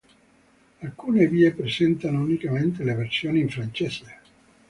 Alcune vie presentano unicamente la versione in francese.